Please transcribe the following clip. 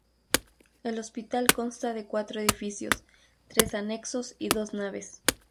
El Hospital consta de cuatro edificios, tres anexos y dos naves.